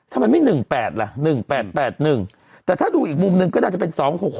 ทำไมไม่๑๘ล่ะ๑๘๘๑แต่ถ้าดูอีกมุมหนึ่งก็น่าจะเป็น๒๖๖